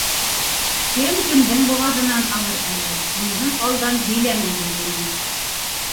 Кем кемдең боғаҙынан алыр әле, уныһын алдан һөйләмәһен, — тине.